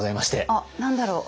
あっ何だろう？